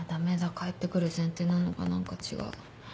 帰ってくる前提なのが何か違う。